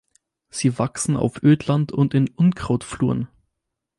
Sie wachsen auf Ödland und in Unkrautfluren.